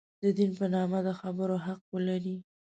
د دین په نامه د خبرو حق ولري.